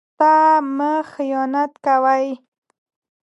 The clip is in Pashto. هېواد ته مه خيانت کوئ